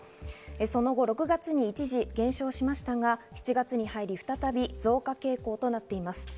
その後６月に一時減少しましたが、７月に入り、再び増加傾向となっています。